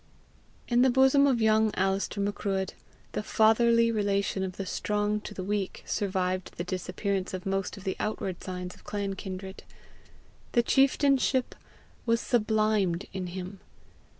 In the bosom of young Alister Macruadh, the fatherly relation of the strong to the weak survived the disappearance of most of the outward signs of clan kindred: the chieftainship was SUBLIMED in him.